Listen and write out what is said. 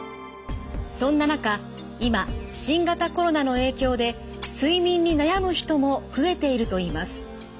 そんな中今新型コロナの影響で睡眠に悩む人も増えているといいます。